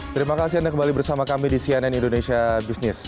terima kasih anda kembali bersama kami di cnn indonesia business